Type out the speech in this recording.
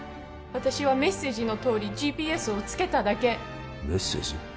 私はメッセージのとおりＧＰＳを付けただけメッセージ？